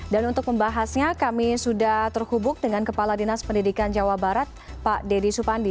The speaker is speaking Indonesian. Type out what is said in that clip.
dan untuk membahasnya kami sudah terhubung dengan kepala dinas pendidikan jawa barat pak deddy supandi